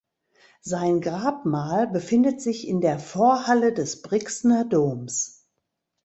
Sein Grabmal befindet sich in der Vorhalle des Brixner Doms.